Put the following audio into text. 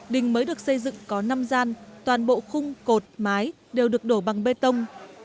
đình mới được xây dựng có năm gian toàn bộ khung cột mái đều được đổ bằng bê tông